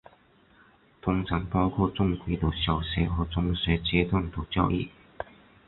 通常包括正规的小学和中学阶段的教育。